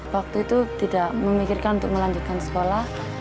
waktu itu tidak memikirkan untuk melanjutkan sekolah